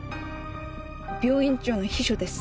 病院長の秘書です。